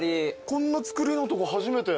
こんな造りのとこ初めて。